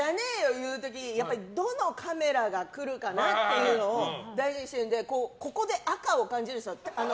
言う時やっぱり、どのカメラが来るかなっていうのを大事にしてるのでここで赤を感じるんですよ。